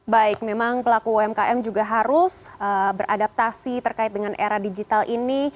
baik memang pelaku umkm juga harus beradaptasi terkait dengan era digital ini